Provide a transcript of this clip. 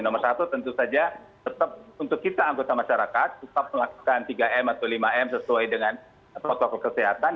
nomor satu tentu saja tetap untuk kita anggota masyarakat tetap melakukan tiga m atau lima m sesuai dengan protokol kesehatan